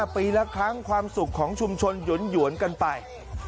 ปีละครั้งความสุขของชุมชนหยวนกันไป